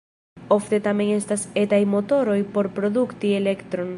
Ofte tamen estas etaj motoroj por produkti elektron.